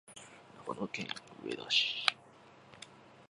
長野県上田市